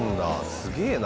すげえな。